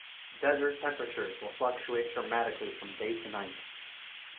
Desert temperatures will fluctuate dramatically from day to night.